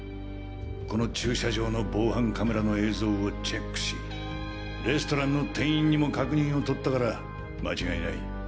この駐車場の防犯カメラの映像をチェックしレストランの店員にも確認を取ったから間違いない。